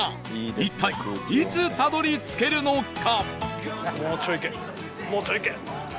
一体いつたどり着けるのか？